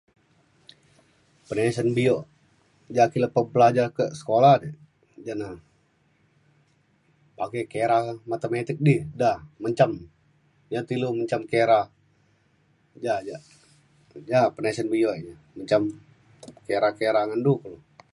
penisen bio ja ke lepah belajar ka sekula ja ja na ake kira matematik di da menjam ya pe ilu menjam kira ja ja. ja penisen bio ek ja menjam kira kira ngan du kulu